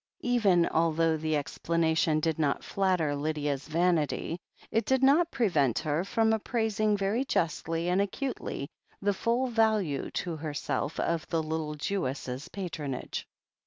Even although the explanation did not flatter Lydia's vanity, it did not prevent her from appraising very justly and acutely the full value to herself of the little Jewess's patronage.